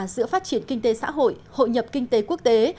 giữa phát triển kinh tế xã hội hội nhập kinh tế quốc tế